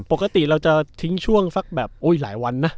ปกติเราจะทิ้งช่วงแบบหลายวันนะ